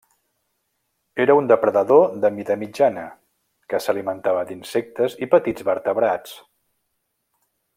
Era un depredador de mida mitjana, que s'alimentava d'insectes i petits vertebrats.